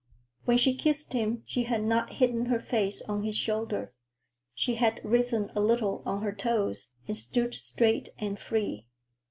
When she kissed him she had not hidden her face on his shoulder,—she had risen a little on her toes, and stood straight and free.